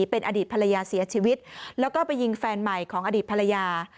เป็นอดีตภรรยาเสียชีวิตแล้วก็ไปยิงแฟนใหม่ของอดีตภรรยา